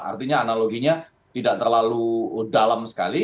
artinya analoginya tidak terlalu dalam sekali